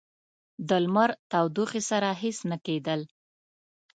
د لمر تودوخې سره هیڅ نه کېدل.